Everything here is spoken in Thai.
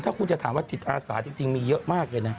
ถ้าคุณจะถามว่าจิตอาสาจริงมีเยอะมากเลยนะ